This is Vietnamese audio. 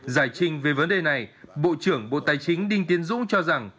giải trình về vấn đề này bộ trưởng bộ tài chính đinh tiến dũng cho rằng